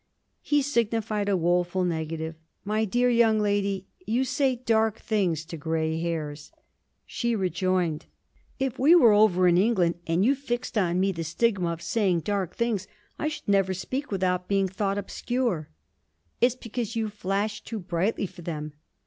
He signified a woeful negative. 'My dear young lady, you say dark things to grey hairs!' She rejoined: 'If we were over in England, and you fixed on me the stigma of saying dark things, I should never speak without being thought obscure.' 'It's because you flash too brightly for them.'